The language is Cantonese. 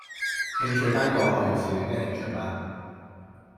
興趣班過後又是另一興趣班